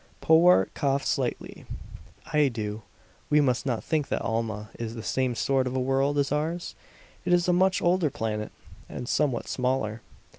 Powart coughed slightly. "I do. We must not think that Alma is the same sort of a world as ours. It is a much older planet, and somewhat smaller.